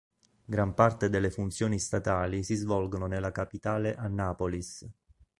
Gran parte delle funzioni statali si svolgono nella capitale Annapolis.